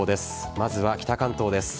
まずは北関東です。